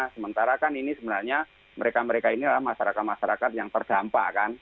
sementara kan ini sebenarnya mereka mereka ini adalah masyarakat masyarakat yang terdampak kan